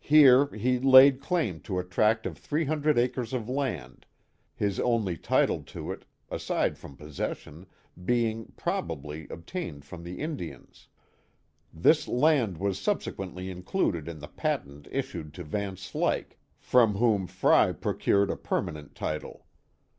Here he laid claim to a tract of 300 acres of land, his only title to it, aside from possession, being, probably, obtained from the Indians. This land was subsequently included in the patent issued to Van Slyck, from whom Frey procured a ])ermanent title.